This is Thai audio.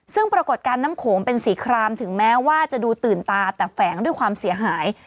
ซึ่งปรากฏการณ์น้ำโขงเป็นสีครามถึงแม้ว่าจะดูตื่นตาแต่แฝงด้วยความเสียหาย